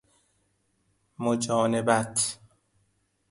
مجانبت